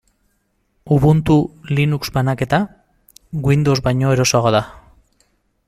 Ubuntu, Linux banaketa, Windows baino erosoagoa da.